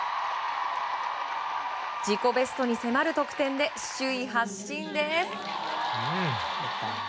自己ベストに迫る得点で首位発進です。